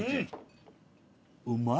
うまい。